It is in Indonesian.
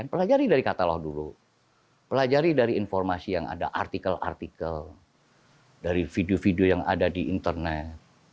pelajari dari katalog dulu pelajari dari informasi yang ada artikel artikel dari video video yang ada di internet